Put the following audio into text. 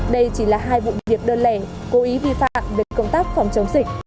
đây chỉ là hai vụ việc đơn lẻ cố ý vi phạm về công tác phòng chống dịch